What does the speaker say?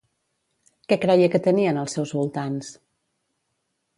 Què creia que tenien els seus voltants?